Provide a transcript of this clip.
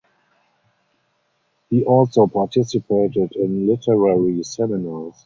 He also participated in literary seminars.